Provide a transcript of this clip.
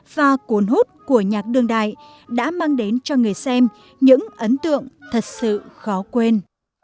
và cuốn hút của nhạc đường đại đã mang đến cho người xem những ấn tượng thật sự khó quên